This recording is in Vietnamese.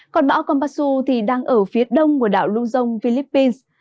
còn bão kompasu thì đang ở phía đông của đảo luzon philippines